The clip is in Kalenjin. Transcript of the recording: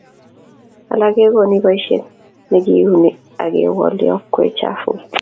alak kegoni boishet negiuni agewal yokwee chafuk